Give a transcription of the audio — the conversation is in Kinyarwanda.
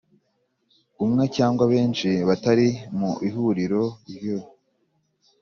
umwe cyangwa benshi batari mu Ihuriro ry